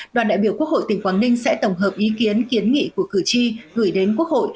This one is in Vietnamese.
đoàn đại biểu quốc hội tỉnh quảng ninh sẽ tổng hợp ý kiến kiến nghị của cử tri gửi đến quốc hội